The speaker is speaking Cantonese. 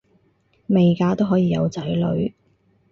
未嫁都可以有仔女